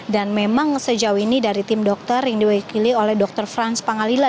dan memang sejauh ini dari tim dokter yang diwakili oleh dokter franz pangalila